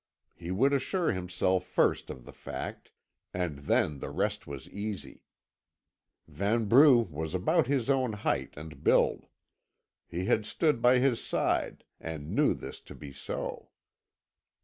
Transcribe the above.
He would assure himself first of the fact, and then the rest was easy. Vanbrugh was about his own height and build; he had stood by his side and knew this to be so.